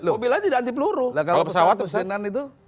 mobil lain tidak anti peluru kalau pesawat kusenan itu